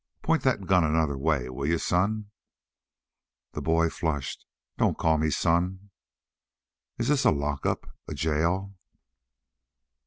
"Point that gun another way, will you, son?" The boy flushed. "Don't call me son." "Is this a lockup a jail?"